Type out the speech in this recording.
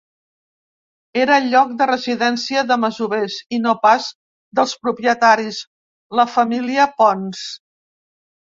Era lloc de residència de masovers i no pas dels propietaris, la família Pons.